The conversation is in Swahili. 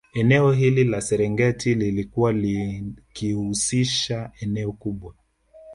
Eneo hili la Serengeti lilikuwa likihusisha eneo kubwa